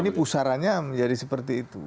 ini pusarannya menjadi seperti itu